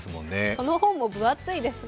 この本も分厚いですね。